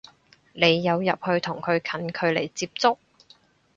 你有入去同佢近距離接觸？